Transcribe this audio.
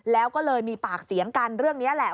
แล้วก็เลยมีปากเสียงกันเรื่องนี้แหละ